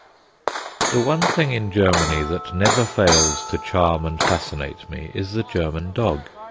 The one thing in Germany that never fails to charm and fascinate me is the German dog.